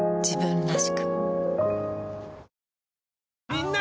みんな！